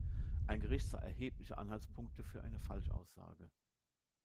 Ein Gericht sah erhebliche Anhaltspunkte für eine Falschaussage.